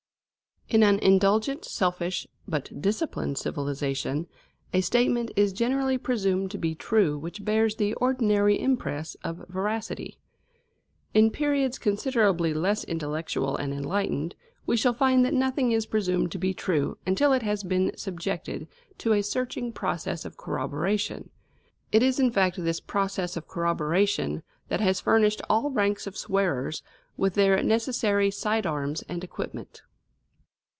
In an indulgent, selfish, but disciplined civilisation, a statement is generally presumed to be true which bears the ordinary impress of veracity. In periods considerably less intellectual and enlightened, we shall find that nothing is presumed to be true until it has been subjected to a searching process of corroboration. It is in fact this process of corroboration that has furnished all ranks of swearers with their necessary side arms and equipment.